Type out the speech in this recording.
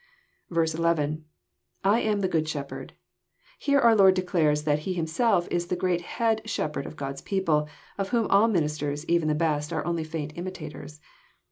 11. — [/<w» the good shepherd,'] Here onr Lord declares that He Himself is the great Head Shepherd of God's people, of whom all ministers, even the best, are only faint imitators.